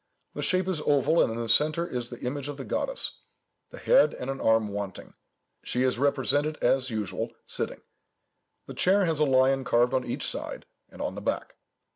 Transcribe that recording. The shape is oval, and in the centre is the image of the goddess, the head and an arm wanting. She is represented, as usual, sitting. The chair has a lion carved on each side, and on the back.